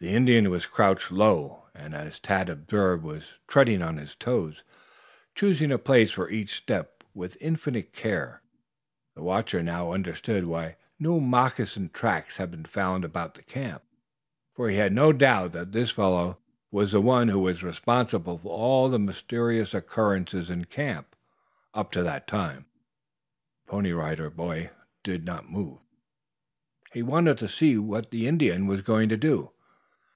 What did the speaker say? The Indian was crouched low and as Tad observed was treading on his toes, choosing a place for each step with infinite care. The watcher now understood why no moccasin tracks had been found about the camp, for he had no doubt that this fellow was the one who was responsible for all the mysterious occurrences in camp up to that time. The Pony Rider boy did not move. He wanted to see what the Indian was going to do.